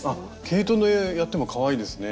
毛糸でやってもかわいいですね。